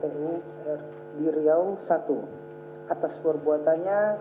iem ini dianggap sebagai prinsip yang terbaik di riau i